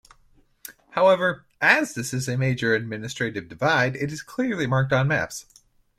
However, as this is a major administrative divide it is clearly marked on maps.